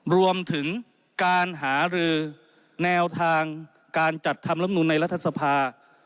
รวมถึงการหารือแนวทางการจัดทำลำนูนในรัฐสภา